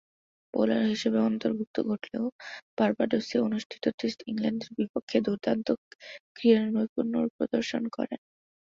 Bowler হিসেবে অন্তর্ভুক্ত ঘটলেও বার্বাডোসে অনুষ্ঠিত টেস্টে ইংল্যান্ডের বিপক্ষে দূর্দান্ত ক্রীড়ানৈপুণ্য প্রদর্শন করেন।